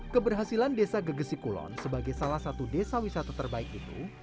keberhasilan desa gegesi kulon sebagai salah satu desa wisata terbaik itu